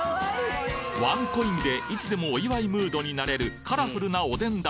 ワンコインでいつでもお祝いムードになれるカラフルなおでん種。